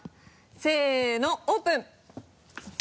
せのオープン。